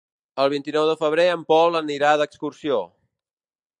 El vint-i-nou de febrer en Pol anirà d'excursió.